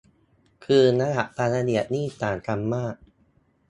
คือระดับความละเอียดนี่ต่างกันมาก